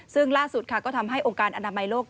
ซึ่งล่าสุดก็ทำให้องค์การอนามัยโลก